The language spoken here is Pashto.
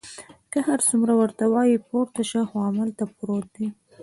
که هر څومره ورته وایي پورته شه، خو هماغلته پروت دی.